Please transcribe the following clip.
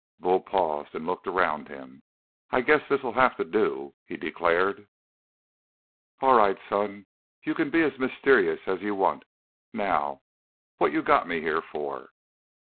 Bull paused and looked around him. "I guess this'll have to do," he declared. "All right, son. You can be as mysterious as you want. Now what you got me here for?"